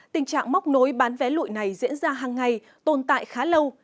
tình trạng móc nối bán vé lụi này diễn ra hàng ngày tồn tại khá lâu